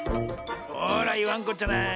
ほらいわんこっちゃない。